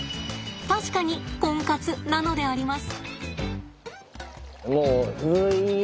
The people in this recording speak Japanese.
確かにコンカツなのであります！